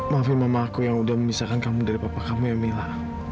maafin mama aku yang udah memisahkan kamu dari papa kamu ya mila